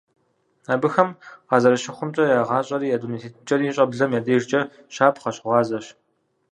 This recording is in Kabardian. Абыхэм къазэрыщыхъумкӀэ, я гъащӀэри я дуней тетыкӀэри щӀэблэм я дежкӀэ щапхъэщ, гъуазэщ.